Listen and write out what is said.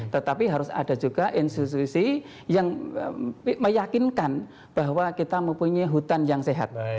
tetapi harus ada juga institusi yang meyakinkan bahwa kita mempunyai hutan yang sehat